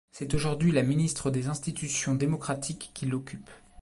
C'est aujourd'hui la ministre des Institutions démocratiques qui l'occupe.